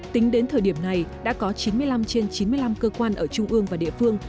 tính đến thời điểm này đã có chín mươi năm trên chín mươi năm cơ quan ở trung ương và địa phương